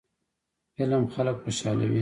فلم خلک خوشحالوي